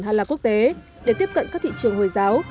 hạ lạc quốc tế để tiếp cận các thị trường hồi giáo